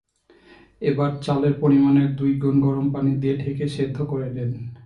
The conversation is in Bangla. এবার চালের পরিমাণের দুই গুণ গরম পানি দিয়ে ঢেকে সেদ্ধ করে নিন।